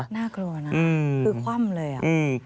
น่ากลัวนะคือคว่ำเลยอ่ะ